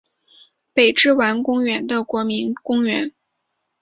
北之丸公园的国民公园。